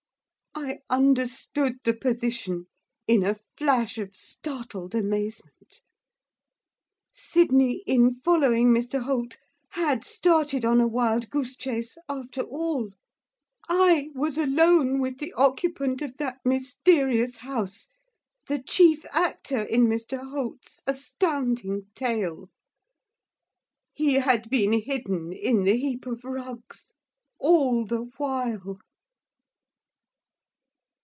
I understood the position in a flash of startled amazement. Sydney, in following Mr Holt, had started on a wild goose chase after all. I was alone with the occupant of that mysterious house, the chief actor in Mr Holt's astounding tale. He had been hidden in the heap of rugs all the while.